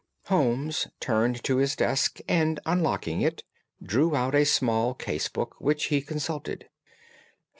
Holmes turned to his desk and, unlocking it, drew out a small case book, which he consulted.